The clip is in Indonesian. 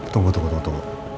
tunggu tunggu tunggu